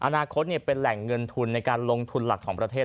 อนาคตเป็นแหล่งเงินทุนในการลงทุนหลักของประเทศ